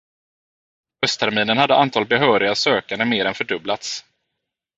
Höstterminen hade antalet behöriga sökanden mer än fördubblats.